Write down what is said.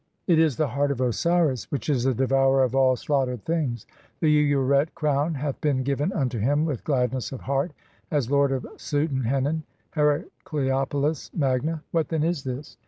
It is the heart of Osiris, which is the devourer of all slaughtered things. The Ureret crown hath been given unto him with glad ness of heart as lord of Suten henen (Heracleopolis Magna). What then (47) is this?